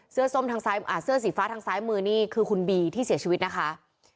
เสื้อสีฟ้าทางซ้ายมือนี่คือคุณบีที่เสียชีวิตนะคะ